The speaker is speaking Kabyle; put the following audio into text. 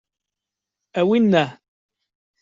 A winna!